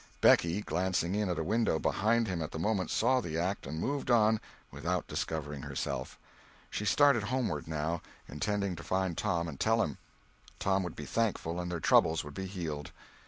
Becky, glancing in at a window behind him at the moment, saw the act, and moved on, without discovering herself. She started homeward, now, intending to find Tom and tell him; Tom would be thankful and their troubles would be healed.